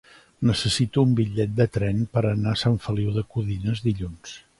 Necessito un bitllet de tren per anar a Sant Feliu de Codines dilluns.